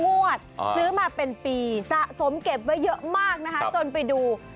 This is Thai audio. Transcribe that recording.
งวดซื้อมาเป็นปีสะสมเก็บไว้เยอะมากนะคะจนไปดู